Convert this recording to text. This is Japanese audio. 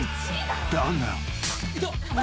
［だが］